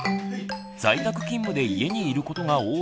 在宅勤務で家にいることが多いパパ。